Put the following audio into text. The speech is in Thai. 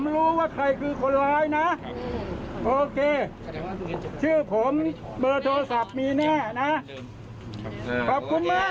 เดี๋ยวถ่ายดูกันเลยนะครับ